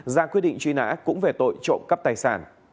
ra quyết định truy nã cũng về tội trộm cắp tài sản